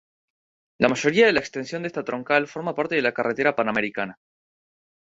La mayoría de la extensión de esta troncal forma parte de la Carretera Panamericana.